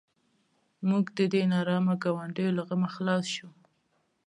موږ د دې نارامه ګاونډیو له غمه خلاص شوو.